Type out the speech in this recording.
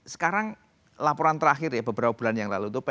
sekarang laporan terakhir ya beberapa bulan yang lalu itu